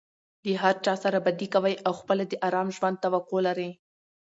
له هرچا سره بدي کوى او خپله د آرام ژوند توقع لري.